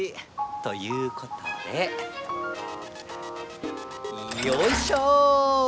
ということでよいしょ！